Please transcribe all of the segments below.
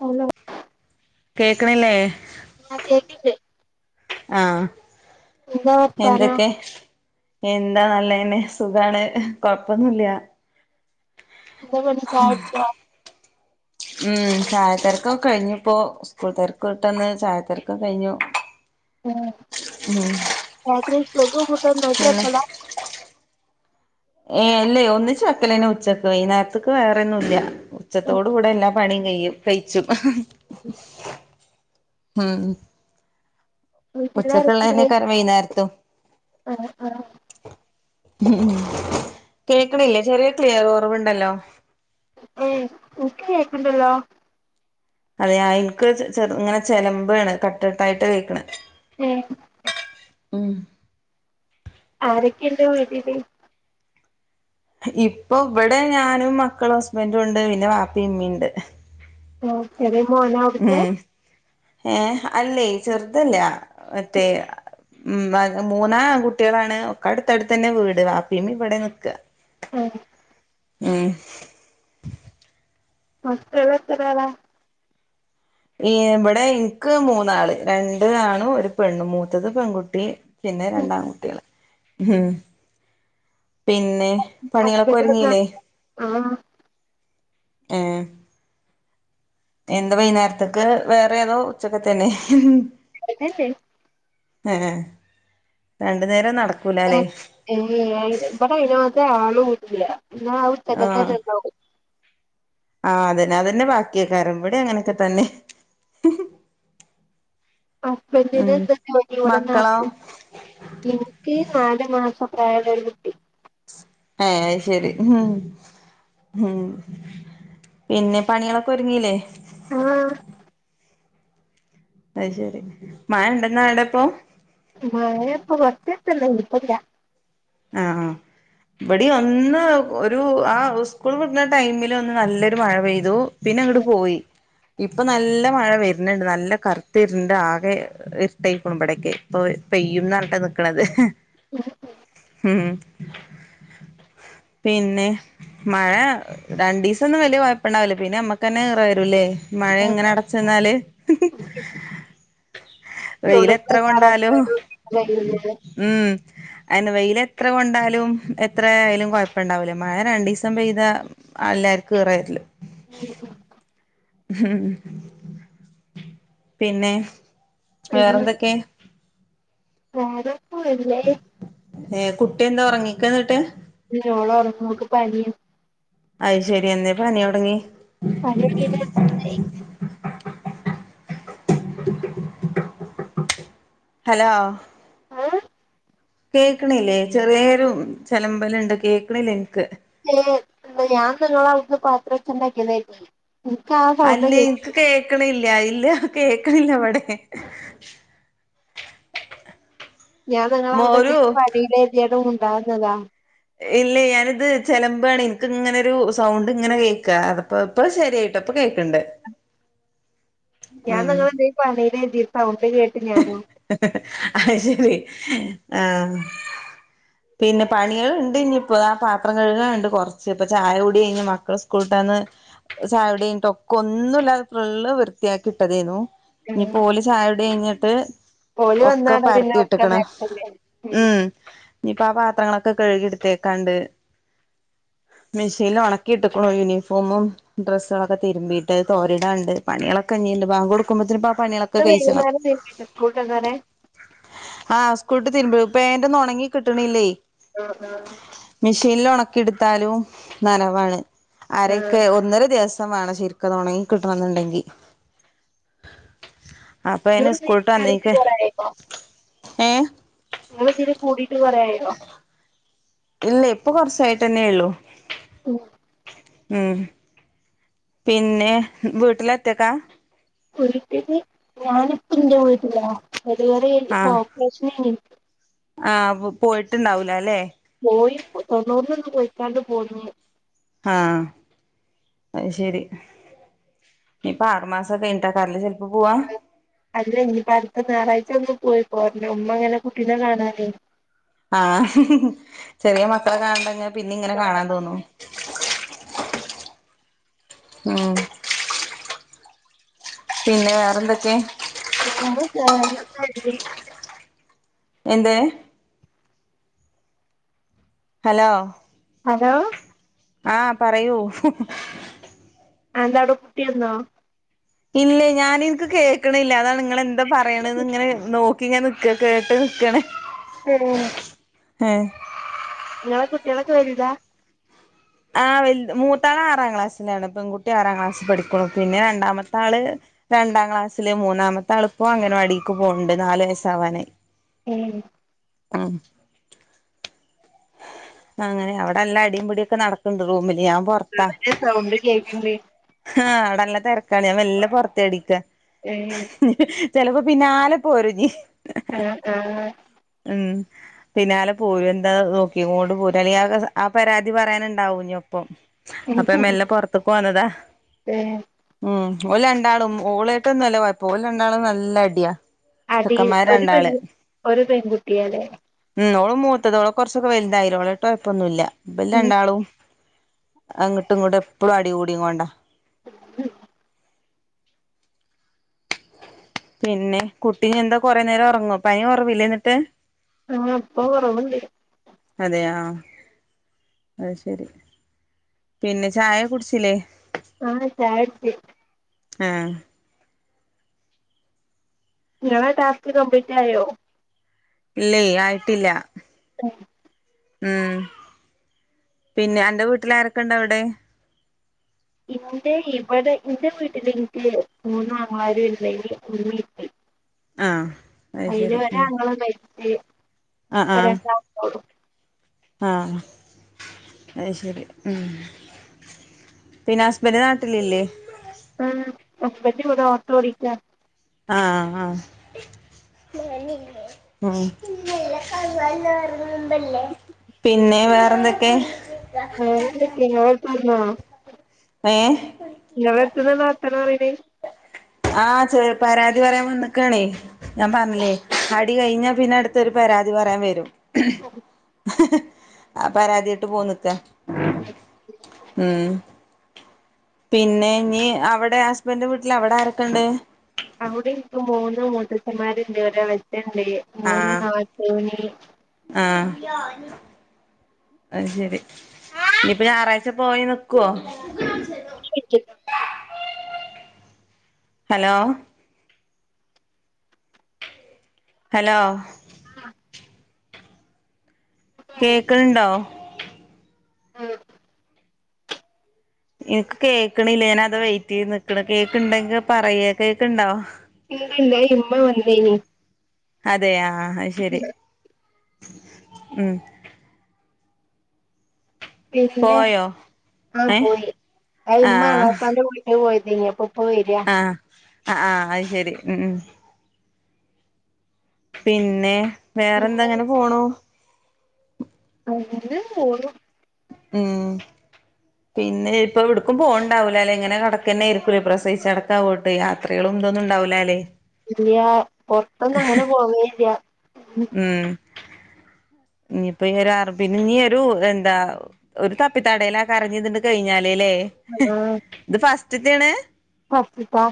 Hello കേക്കണില്ലേ ആഹ് കേക്കിണ്ട് ആഹ എന്താ വർത്താനം എന്തൊക്കെ എന്താ നല്ലന്നെ സുഖാണ് കൊഴപ്പൊന്നുല്ല. ന്താ പണി ചായുട് ചോ? ഉം ചായ തെരക്കക്കെ കഴിഞ്ഞ്പ്പോ സ്കൂൾ തിരക്ക് വിട്ടന്ന് ചായ തെരക്കൊക്കെ കഴിഞ്ഞു. ഏ ഉം രാത്രി ചോറും [unintelligible] ഒന്നായിട്ടു പിന്നെ വെക്കലാ ഏ അല്ലേ ഒന്നിച്ച് വെക്കലന്നെ ഉച്ചക്ക് വൈന്നേര്ത്ത്ക്ക് വേറെ ഒന്നുല്ല ഉം ഉച്ചത്തോട് കൂടെ എല്ലാം പണിയും കയ്യും കഴിച്ചും [inaudible] ഹ്മ് വീട്ടിലാരോക്കേള്ള വൈന്നേര്ത്തും [unintelligible] കേൾക്കണില്ലേ ചെറിയ ക്ലിയർ കൊറവുണ്ടല്ലോ? ഏയ് ഇൻക്ക് കേക്ക്ണ്ടല്ലോ അതെ എനിക്ക് ചെറ് ഇങ്ങനെ ചെലമ്പാണ് കട്ട്ടായിട്ട് കേക്ക്ണെ [unintelligible] ഉം ആരൊക്കെ ഉണ്ട് വീട്ടില് ഇപ്പൊ ഇവടെ ഞാനും മക്കളും ഹസ്ബൻറും ഉണ്ട് പിന്നെ വാപ്പിം ഇമ്മിണ്ട് ചെറിയ മോനാ അവിടുത്തെ? ഉം ഏ അല്ലേ ചെറുതല്ല മറ്റേ ഉം മൂന്നാ ആൺ കുട്ടികളാണ് ഒക്കടുത്ത അടുത്ത തന്നെ വീട്, വപ്പീം ഇമ്മീംഇവടെ നിക്ക [unintelligible] ഉ മക്കള് എത്ര ആളാ? ഈ ഇപടെ ഇന്ക്ക് മൂന്നാള്, രണ്ട് ആണും, ഒരു പെണ്ണ് മൂത്തത് പെൺകുട്ടി. പിന്നെ ഉം രണ്ടാൺകുട്ടികള്, ഉം പിന്നെ പണികളൊക്കെ ഹസ്ബന്റ് ഒരുങ്ങിയില്ലേ [unintelligible] ആ ഏ എന്താ വൈകുന്നേരത്തേക്ക് വേറെ ഏതോ ഉച്ചക്കെ തന്നെ പ്രഗ്നൻറ് [unintelligible] രണ്ടു നേരം നടക്കൂലല്ലേ. ഏ ഇപടെ അയിനാത്ര ആളൂല്ല [unintelligible] ആ, ആ അതന്നെ അതന്നെ ബാക്കിയൊക്കാരും ഇവിടെ അങ്ങനെയൊക്കെ തന്നെ. ഉം ഹസ്ബന്റിന് എന്താ ജോലി ഇവിടെ മക്കളോ നാട്ടില് എനിക്ക് നാല് മാസ പ്രായം ഉള്ള ഒരുകുട്ടി. ഏ, അഹ് ശരി ഉം, ഉം പിന്നെ പണികളൊക്കെ ഒരുങ്ങില്ലേ ആഹ അത് ശരി മഴ ഉണ്ടെന്നാ അവിടെപ്പൊ മഴ അപ്പൊ കുറച്ചുദിവസമല്ലേ ഇപ്പോഴില്ല [inaudible] ഇബടി ഒന്ന് ഒരു ആ സ്കൂൾ വിടുന്ന ടൈമിൽ ഒന്ന് നല്ലൊരു മഴ പെയ്തു. പിന്നെ അങ്ങട്ട് പോയി, ഇപ്പൊ നല്ല മഴ വരുന്നുണ്ട് നല്ല കറുത്ത് ഇരുണ്ട് ആകെ. ഇഷ്ട [unintelligible] ഇപ്പൊ പെയ്യുംന്ന് പറഞ്ഞിട്ട നിക്കണത് [inaudible] ഉം പിന്നെ മഴ രണ്ട് ദിവസം ഒന്നും വലിയ കുഴപ്പുണ്ടാവില്ല, പിന്നെ നമ്മക്ക് തന്നെ ഈറ വരൂല്ലേ മഴങ്ങനെ അടച്ചന്നാല് വെയിലെത്ര കൊണ്ടാലും [unintelligible] ഉം അയന്നെ വെയിൽ എത്ര കൊണ്ടാലും എത്ര ആയാലും കൊഴപ്പുണ്ടാവൂല്ല, മഴ രണ്ടുസം പെയ്ത എല്ലാവർക്കും ഇറേ ഉം ഉം, പിന്നെ പിന്നെ വേറെന്തൊക്കെ [unintelligible] ഏഹ് കുട്ടി എന്താ ഉറങ്ങിക്ക എന്നിട്ട് ഓള് ഉറങ്ങുവ ഓക്ക് പനിയ അയ്ശരി എന്നേ പനി തുടങ്ങി [unintelligible] ഹലോ ആഹ് കേക്കണില്ലേ ചെറിയൊരു ചെലമ്പലുണ്ട് കേൾക്കണില്ല ഇന് ക്ക് ഞൻ തിന്നോള ഉന്ന പാത്ര എടുത് ഉണ്ടാക്കിയതിരിക്കും ഇത്ത അല്ലേയ് ഇനിക്ക് കേക്കണില്ല ഇല്ല കേക്കണില്ല ഇവടെ ഞാൻ നിങ്ങളവിടെ മോരു [unintelligible] വഴയിലതിയാലും [unintelligible] മുണ്ടാന്നതാ ഇല്ല ഞാനിത് ചെലമ്പാണ് എനക്ക്ങ്ങനെരു സൗണ്ട് ഇങ്ങനെ കേക്ക് അ അതപ്പ ഇപ്പൊ ശരിയായിട്ടോ ഇപ്പൊ കേക്ക്ണ്ട് ഞാൻ നിങ്ങ [unintelligible] എന്തണ്ട് [inaudible] കേ ഉം അയ്ശരി ആഹ് പിന്നെ പണിൾണ്ട് ഞ്ഞിപ്പോ ആ പാത്രം കഴുകാണ്ട് കൊർച്ച് ഇപ്പ ചായ കൂടി കഴിഞ്ഞ് മക്കള് സ് കൂട്ടന്ന് ചായകുടി കയിഞ്ഞു ടൊക്ക ഒന്നുല്ലാതെ ഫുള്ള് വൃത്തിയാക്കി ഇട്ടതേന്നു ഉം ഞ്ഞിപ്പൊ ഓല് ചായോടി ഞ്ഞിട്ട് ഓല് ഒക്കെ വന്നാടെ പിന്നെ പരത്തി ഒറക്കം ഇട്ട്ക്കണ് നേരത്തല്ലേ ഉം ഇനിപ്പ ആ പാത്രങ്ങളൊക്കെ കഴുകി ഇടുത്തേക്കാണ്ട് മെഷീൻല് ഒണക്കി ഇട്ടക്കണു യൂണിഫോമും ഡ്രസ്സുകളൊക്കെതിരുമ്പിയിട്ട് തോരിടാണ്ട് പണിയളൊക്കെ ഇഞീണ്ട് ബാങ്ക് കൊടുക്കുമ്പോത്തിന് ഒക്കെ ആ പണിയളൊക്കെ കഴിച്ചണം [inaudible] സ്കൂൾട്ടന്നാരെ ആ സ്കൂൾട്ട്തിരുമ്പപ്പൊ പേന്റോന്നും ഉണങ്ങി കിട്ടണല്ലേയ് ആഹ് ആഹ് മെഷീനൽ ഉണക്കിടുത്താലും നന വാണ് ആഹ് ആരെയൊക്കെ ഒന്നര ദിവസം വേണം ശരിക്കതു ഒണങ്ങി കിട്ടണംന്ന്ണ്ടങ്കി അപ്പ അയിന്‌ നിങ്ങള് ഇതില് സ്കൂളട്ട് കേറിട്ട് വന്നയ്ക്ക് കൊറേയായോ ഏ നിങ്ങള് ഇതി കൂടിട്ട് കൊറേ ആയോ ഇല്ലേയ് ഇപ്പൊ കുറച്ചായിട്ടന്നേ ള്ളു ഉം ഉം പിന്നെ വീട്ടിലൊറ്റക്കാ കുരിക്ക് [unintelligible] ഞാനിപ്പ ന്റെ വീട്ടില ഡെലിവറി അയിന്നു ഓപ്പറേഷനെനി ഇൻക്ക് ആഹ് പോയിട്ടുണ്ടാവല ല്ലെ പോയി തൊണ്ണൂറിന്ന് പോയിക്കാണ്ട് പോന്നു ആ അ ശരി ഇനി ആറ് മാസം കയിഞ്ഞി ട്ടാക്കറല്ലേ ഗൾഫ് പോവാ അല്ല ഇനിപ്പോ അടുത്ത ഞായറാഴ്ച ഒന്ന് പോയി പോര അമ്മ അങ്ങനെ കുട്ടീനെ കാണാനെ ആ ചെറിയ മക്കളെ കാണണ്ടെങ്കി പിന്നിം ഇങ്ങനെ കാണാൻ തോന്നും [inaudible] ഉം പിന്നെ വേറെന്തൊക്കെ [unintelligible] എന്ത് ഹലോ ഹലോ ആ പറയൂ ആ എന്താവടെ കുട്ടിയന്നോ ഇല്ല ഞാനിൻക്ക് കേക്കണില്ല അതാണ് നിങ്ങെളെന്താ പറയണ് ഇങ്ങനെ നോക്കിങ്ങനെ നി ക്ക കേട്ട് നിക്കാണ് [unintelligible] എ ഇങ്ങളെ കുട്ടിയാളൊക്കെ വലുതാ ആ വൽത് മൂത്താൾ ആറാം ക്ലാസ്സിലാണ് പെൺകുട്ടി ആറാം ക്ലാസ്സിൽ പഠിക്കു പിന്നെ രണ്ടാമത്തെ ആള് രണ്ടാം ക്ലാസ്സില് മൂന്നാമത്തെ അളുപ്പ അങ്കന വടിക്ക് പോണ്ട് നാല് വയസ്സാവാനായി ഏഹ് ആ അങ്ങനെവിടെ നല്ല അടീം പുടീം ക്കെ നടക്കുന്നുണ്ട് റൂമില് ഞാൻ പോർ അവന്റെ സൗണ്ട് കേക്ക്ണ്ട് ആ അവിടെ നല്ല തെരക്കാണ് ഞാൻ മെല്ലെ പൊറത്താടിക്ക ഏ ചെലപ്പോ പിന്നാലെ പോരുഞ്ഞീ എ ഏ ഉം പിന്നാലെ പോയിന്താ നോക്കിങ്ങോണ്ട് പോരും അല്ലെങ്കി ആ പരാതി പറയാനുണ്ടാവും ഞ്ഞീ ഒപ്പം അപ്പൊ മെല്ലെ പൊറത്ത്ക്ക് വന്നതാ ഏ ഉം ഓല് രണ്ടാളും ഓളേട്ടും ന്നല്ല കൊഴപ്പം ഓല് രണ്ടാളും നല്ല അടിയാ അത് ചെക്കന്മാര് ഒരു രണ്ടാള് പെണ്ണും ഒരു പെൺകുട്ടിയാലേ മ് ഓള്മൂത്തതോള് കൊറച്ചൊക്കെ വലതായിലോള് കൊഴപ്പൊന്നുല്ല ഇമ്പല് രാണ്ടാളും അങ്ങട്ടും ഇങ്ങട്ടും എപ്പളും അടികൂടി കൊണ്ടാ പിന്നെ കുട്ടിന്നെന്താ കൊറേ നേരം ഒറങ്ങോ പനി കൊറവില്ലെ ന്നിട്ട് ആ പ്പൊ കൊറവ്ണ്ട് അതെയോ അയ്ശരി പിന്നെ ചായ കുടിച്ചില്ലേ ആ ചായ കുടിച് ഏഹ് ങ്ങളെ ടാസ്ക് കംപ്ലീറ്റ് ആയോ ഇല്ലില്ല ആയിട്ടില്ല [unintelligible] ആ പിന്നെ അന്റെ വീട്ടിലാരൊക്കെ ഒണ്ടവിടെ ഇന്റെ ഇവിടെ ഇന്റെ വീട്ടിൽ നിക്ക് മൂന്ന് ആങ്ങള്ളാര് [unintelligible] ആഹ് അത് അയില് ശരി വരാ ഉം ങ്ങള് കഴിച്ച് ആഹ് ആഹ് ആ അയ്ശരി മ് പിന്നെ ഹസ്ബെൻറ് നാട്ടിലില്ലേ ആ ഹസ്ബെന്റിവിടെ ഓട്ടോ ഓടിക്കാണ് ആഹ് ആഹ് മ് പിന്നെ വേറെന്തൊക്കെ? വെറെന്തോക്കെ [unintelligible] ഏഹ് ങ്ങളെ അടുത്ത്ന്നല്ലേ വർത്താനം പറയിണേ ആ ചെ പരാതി പറയാൻ വന്ന്ക്കാണേ ഞാൻ പറഞ്ഞില്ലേ അടി കഴിഞ്ഞാ പിന്നെ അടുത്തൊരു പരാതി പറയാൻ വരും ഹി ഹി ആ പരാതിയായിട്ട് പോന്ന്ക്ക മ് പിന്നെ നീ അവിടെ ഹസ്ബന്റെ വീട്ടിൽ അവിടെ ആരൊക്കെണ്ട്? അവിടെ ഇപ്പം മൂന്ന് മൂത്തഛന്മാരുണ്ട് ഒരെളെച്ചെൻ ണ്ട് മൂന്ന് ആഹ് നാത്തൂന് ആഹ് അയ് ശെരി ഇനിയിപ്പോ ഞായറാഴ്ച പോയി നിക്കോ പ്പ ഇരിക്കുന്നോ [unintelligible] ഹലോ ഹലോ ആഹ് കേക്ക്‌ണണ്ടോ? ആഹ് എനിക്ക് കേക്കണില്ല ഞാൻ അത് വെയിറ്റ് ചെയ്ത് നിക്കണ് കേക്ക്ണ്ടെങ്കി പറയ് കേക്ക്ണ്ടോ തീരെയില്ല ഇമ്മ വന്നീനി അതെയ ആ ആ അത് ശരി ഉം പിന്നെ പോയോ ആഹ ഏ പോയി അയ്മ്മ ആഹ് എളാപ്പാന്റ ഉളി പോയതേനി അപ്പൊപ്പം വരാ ആഹ ആ ആഹ് അയ് ശരി ഉം ഉം പിന്നെ പിന്നെ വേറെന്താങ്ങനെ പോണു അത് ഓ [unintelligible] ഉം പിന്നെ ഇപ്പം എവുട്ക്കും പോവ് ണ്ടാവൂലലെ ഇങ്ങനെ കടക്കെന്നെയിക്കുലേ പ്രസവിച്ചടക്കാവു യാത്രകളും ഇതൊന്നുംണ്ടാവൂലല്ലേ ഇല്ല്യാ പൊറത്തൊന്നും അങ്ങനെ പോവേല്ല്യ ഉം ഇനിയിപ്പം ഈ [unintelligible] നീ ഒരു എന്താ ഒരു തപ്പിത്തടയലേക്കാരം ഞ്ഞി ഇതിണ്ട് കഴിഞ്ഞാലേല്ലേ ഹലോ ത് ഫസ്റ്റ് തേണ് ഫസ്റ്റ്ത്താ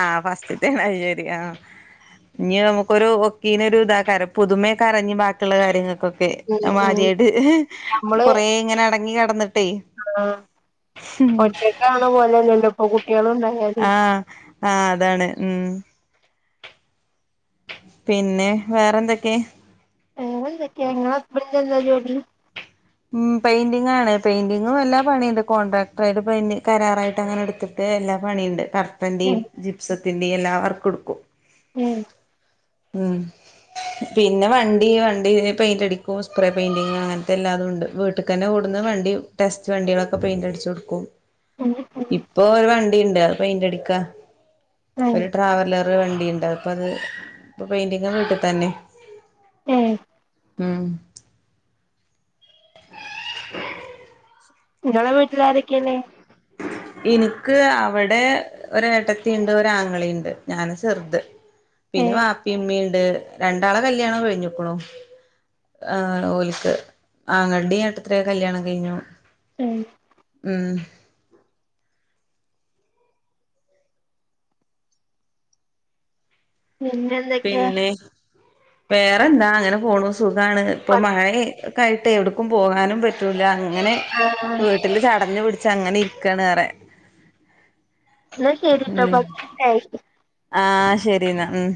ആഹ് ഫസ്റ്റ്തന്നെ അത് ശെരി ആ ഇഞ് നമുക്കൊരു ഒക്കീന ഒരുത ക്കാരം പുതുമേക്കാരം ഇനി ബാക്കിള്ള കാര്യങ്ങൾക്കൊക്കെ ഉം ഉം മാര്യാട് കൊറെ ഇങ്ങനെ അടങ്ങി കെടന്നിട്ട് ആ ഒറ്റക്കാണൊ പോലല്ലപ്പൊ കുട്ടിയളുംണ്ടായാ ആഹ് ആഹ് അതാണ് ഉം പിന്നെ വേറെന്തൊക്കെ വേറെന്തൊക്കെ ങ്ങളെ ഹസ് ബന്റിനെന്താ ജോലി? ഉം പെയിന്റിങ്ങാണ് പെയിന്റിംഗും എല്ലാ പണിയുണ്ട് കോൺട്രാക്ടറായിട്ട് പെയ്ന്റി കരാറായിട്ട് അങ്ങനെ എടുക്ക്‌ പിന്നെ എല്ലാ പണിണ്ട് കർട്ടന്റി ഏഹ് ജിപ്സത്തിന്റി എല്ലാ വർക്കും എട്ക്കും ഏഹ് മ് പിന്നെ വണ്ടി വണ്ടി പെയിന്റ് അടിക്കും സ്പ്രേ പെയിന്റിങ് അങ്ങത്തെ എല്ലാതുണ്ട് വീട്ടിൽക്കെന്നെ കൊടുന്ന വണ്ടി ടെസ്റ്റ് വണ്ടിയളൊക്കെ പെയിന്റ് അടിച്ചോടുക്കും ഉം ഉം ഇപ്പൊ ഒരു വണ്ടിണ്ട് അത് പെയിന്റടിക്കാ ഏഹ് ഒരു ട്രാവലർ ഒരു വണ്ടിയുണ്ടാ അപ്പ അത് ഇപ്പോൾ പെയിന്റിങ് വീട്ടി തന്നെ ഏഹ് ഉം ഇങ്ങളെ വീട്ടിലാരൊക്കെല്ലേ ഇൻക്ക് അവിടെ ഒരേട്ടത്തിണ്ട് ഒരാങ്ങളിണ്ട് ഞാനാ ചെർത് പിന്നെ ഏഹ് വാപ്പിമ്മീണ്ട് രണ്ടാളെ കല്യാണം കഴിഞ്ഞുക്ക്ണു ആ ഓൽക്ക് ആങ്ങൾടേം ഏട്ടത്തിന്റേം കല്ല്യാണം കഴിഞ്ഞു ഉം മം പിന്നെ പിന്നെ വേറെന്താ അങ്ങനെ പോണു സുഖാണ് ഇപ്പൊ പത്ത് മഴ- ക്കായിട്ട് ഒട്ക്കും പോകാനും പറ്റൂല അങ്ങനെ ആഹ് വീട്ടിൽ ചടഞ്ഞ് പിടിച്ചങ്ങനെ ഇരിക്കാണ്ഏറെ ന്ന ശരിട്ടാ ഉം പത്തിൻറ്റായി ആഹ് ശരിന്നാ ഉം